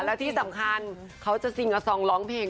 และที่สำคัญเขาจะซิงอซองร้องเพลง